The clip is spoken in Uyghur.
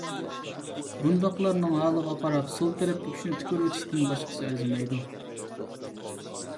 بۇنداقلارنىڭ ھالىغا قاراپ سول تەرەپكە ئۈچنى تۈكۈرۈۋېتىشتىن باشقىسى ئەرزىمەيدۇ.